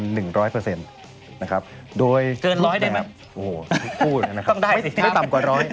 โดยลูกแบบโอ้โหทุกคู่นะครับไม่ต่ำกว่า๑๐๐